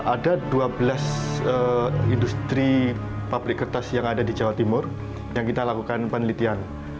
ada dua belas industri pabrik kertas yang ada di jawa timur yang kita lakukan penelitian